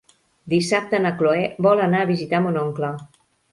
Dissabte na Cloè vol anar a visitar mon oncle.